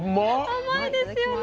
甘いですよね？